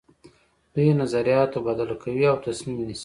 دوی نظریات تبادله کوي او تصمیم نیسي.